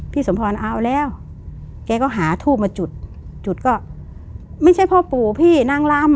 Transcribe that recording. สมพรเอาแล้วแกก็หาทูบมาจุดจุดก็ไม่ใช่พ่อปู่พี่นางลำ